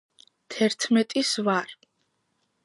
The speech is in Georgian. თერთმეტის ვარ